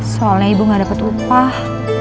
soalnya ibu gak dapat upah